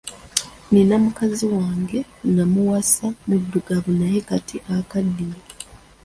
Nina mukazi wange namuwasa muddugavu naye kati akaddiye